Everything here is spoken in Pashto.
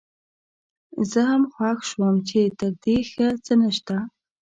زه هم خوښ شوم چې تر دې ښه څه نشته.